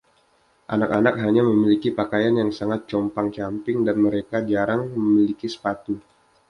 Anak-anak hanya memiliki pakaian yang sangat compang-camping dan mereka jarang memiliki sepatu.